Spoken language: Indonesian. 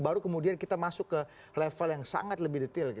baru kemudian kita masuk ke level yang sangat lebih detail